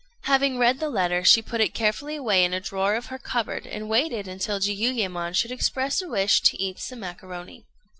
Having read the letter, she put it carefully away in a drawer of her cupboard, and waited until Jiuyémon should express a wish to eat some macaroni.